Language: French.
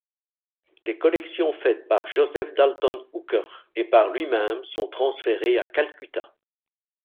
Les collections faites par Joseph Dalton Hooker et par lui-même sont transférées à Calcutta.